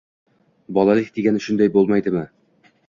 Bolalik degani shunday bo'lmaydimi?